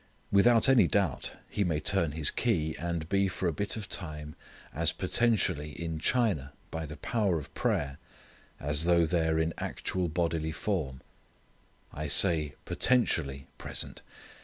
Without any doubt he may turn his key and be for a bit of time as potentially in China by the power of prayer, as though there in actual bodily form. I say potentially present.